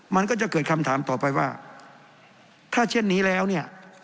มันก็จะเกิดคำถามต่อไปว่าถ้าเช่นนี้แล้วเนี่ย